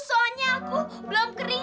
soalnya aku belum keringin